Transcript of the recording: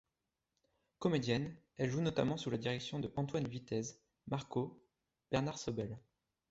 Comédienne, elle joue notamment sous la direction de Antoine Vitez, Marco, Bernard Sobel.